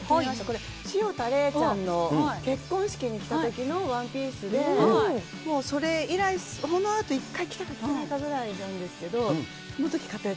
潮田玲ちゃんの結婚式に行ったときのワンピースで、もうそれ以来、そのあと１回着たか、着ないかぐらいなですけど、そのとき買ったやつ。